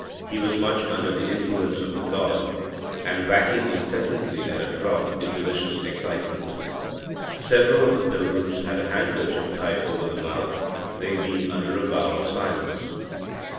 He was much under the influence of the god, and whacking incessantly at a drum in delicious excitement. Several of the pilgrims had a handkerchief tied over the mouth, they being under a vow of silence.